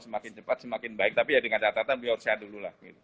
semakin cepat semakin baik tapi ya dengan catatan beliau sehat dulu lah